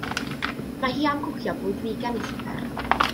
Mae hi am gwcio bwyd figan i swper.